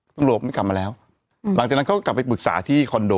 ตำรวจไม่กลับมาแล้วหลังจากนั้นเขาก็กลับไปปรึกษาที่คอนโด